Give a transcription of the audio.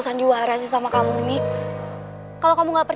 papa dapat video ini dari mana pak